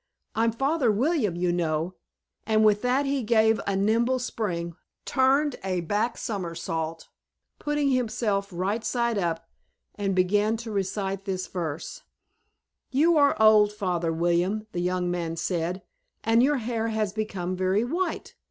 I'm Father William, you know," and with that he gave a nimble spring, turned a back somersault, putting himself right side up, and began to recite this verse: "You are old, Father William, the Young Man said, And your hair has become very white.